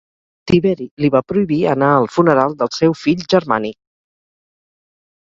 Tiberi li va prohibir anar al funeral del seu fill Germànic.